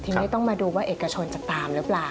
ทีนี้ต้องมาดูว่าเอกชนจะตามหรือเปล่า